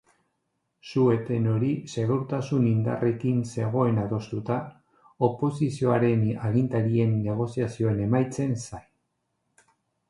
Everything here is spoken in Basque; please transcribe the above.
Su-eten hori segurtasun-indarrekin zegoen adostuta, oposizioaren agintarien negoziazioen emaitzen zain.